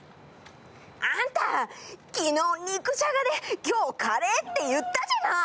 あんた、昨日肉じゃがで、今日カレーって言ったじゃない。